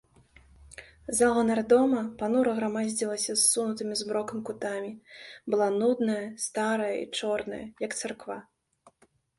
Зала нардома панура грамаздзілася ссунутымі змрокам кутамі, была нудная, старая і чорная, як царква.